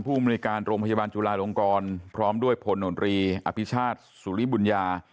มนุยการโรงพยาบาลจุลาลงกรพร้อมด้วยผลหนตรีอภิชาติสุริบุญญา